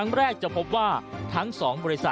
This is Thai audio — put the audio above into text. งั้นแม้ว่าพอเป็นรักษา